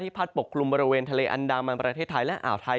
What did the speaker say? พัดปกคลุมบริเวณทะเลอันดามันประเทศไทยและอ่าวไทย